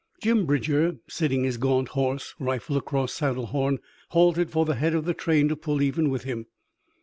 Jim Bridger, sitting his gaunt horse, rifle across saddle horn, halted for the head of the train to pull even with him.